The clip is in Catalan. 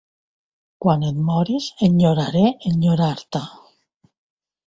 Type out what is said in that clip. “Quan et moris, enyoraré enyorar-te”.